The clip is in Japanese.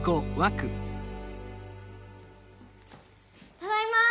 ただいま！